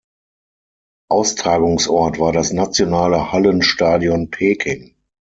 Austragungsort war das Nationale Hallenstadion Peking.